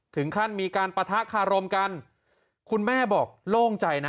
ถึงขั้นมีการปะทะคารมกันคุณแม่บอกโล่งใจนะ